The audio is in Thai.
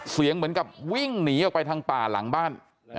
เหมือนกับวิ่งหนีออกไปทางป่าหลังบ้าน